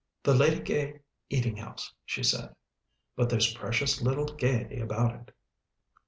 "The Lady Gay eating house," she said, "but there's precious little gaiety about it."